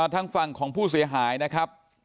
ทางฝั่งของผู้เสียหายนะครับ